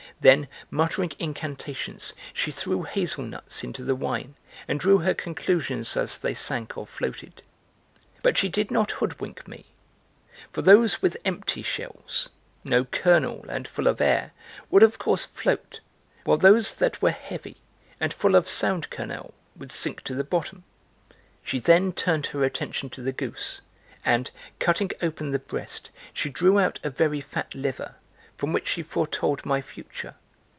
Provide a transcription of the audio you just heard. Then, muttering incantations, she threw hazel nuts into the wine and drew her conclusions as they sank or floated; but she did not hoodwink me, for those with empty shells, no kernel and full of air, would of course float, while those that were heavy and full of sound kernel would sink to the bottom. {She then turned her attention to the goose,} and, cutting open the breast, she drew out a very fat liver from which she foretold my future.